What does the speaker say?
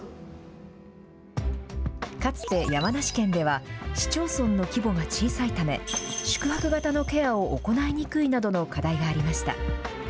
かつて山梨県では、市町村の規模が小さいため、宿泊型のケアを行いにくいなどの課題がありました。